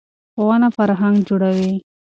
ښوونه فرهنګ جوړوي.